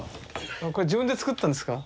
これ自分で作ったんですか？